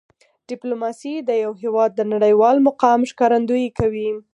ډیپلوماسي د یو هېواد د نړیوال مقام ښکارندویي کوي.